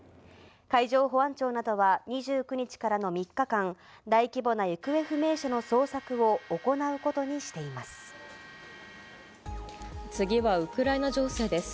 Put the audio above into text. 海上保安庁などは、２９日からの３日間、大規模な行方不明者の捜索を行うことにしています。